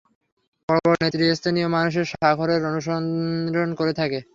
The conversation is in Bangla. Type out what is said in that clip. বড় বড় নেতৃস্থানীয় মানুষ সাখরের অনুসরণ করে থাকে।